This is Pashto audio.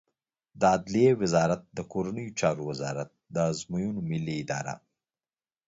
د عدلیې وزارت د کورنیو چارو وزارت، د ازموینو ملی اداره